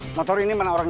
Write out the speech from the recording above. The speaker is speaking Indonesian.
kira kira empat abis